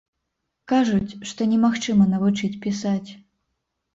Кажуць, што немагчыма навучыць пісаць.